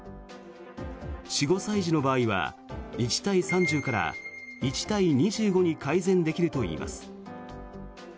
４５歳児の場合は１対３０から１対２５に改善できるといいます。